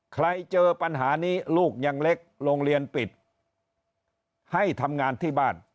เจอปัญหานี้ลูกยังเล็กโรงเรียนปิดให้ทำงานที่บ้าน